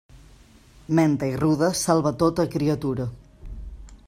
Menta i ruda salva tota criatura.